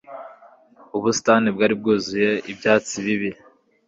Ubusitani bwari bwuzuye ibyatsi bibi (WestofEden)